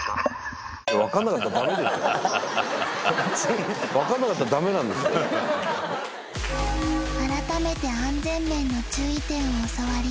うーん分か改めて安全面の注意点を教わり